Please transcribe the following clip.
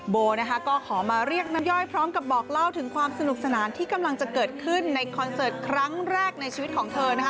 โบนะคะก็ขอมาเรียกน้ำย่อยพร้อมกับบอกเล่าถึงความสนุกสนานที่กำลังจะเกิดขึ้นในคอนเสิร์ตครั้งแรกในชีวิตของเธอนะคะ